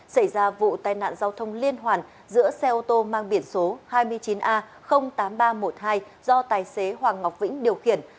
xảy ra vụ tai nạn giao thông liên hoàn giữa xe ô tô mang biển số hai mươi chín a tám nghìn ba trăm một mươi hai do tài xế hoàng ngọc vĩnh điều khiển